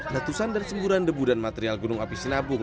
letusan dan semburan debu dan material gunung api sinabung